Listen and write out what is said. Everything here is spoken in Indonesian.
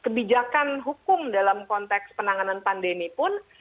kebijakan hukum dalam konteks penanganan pandemi pun